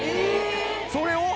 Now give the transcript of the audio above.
それを？